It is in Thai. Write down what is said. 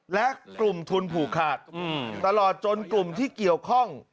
และกลุ่มทุนผูกขาดตลอดจนกลุ่มที่เกี่ยวข้อง